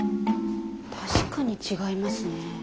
確かに違いますね。